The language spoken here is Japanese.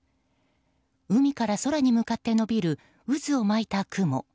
海から空に向かって延びる渦を巻いた雲。